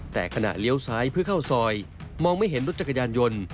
แต่ขณะเลี้ยวซ้ายเพื่อเข้าซอยมองไม่เห็นรถจักรยานยนต์